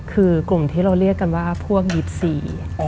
คือกลุ่มที่เราเรียกกันว่าพวกยิปซี